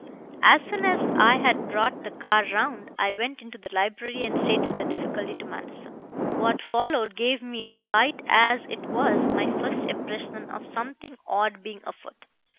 "As soon as I had brought the car round I went into the library and stated the difficulty to Manderson. "What followed gave me, slight as it was, my first impression of something odd being afoot.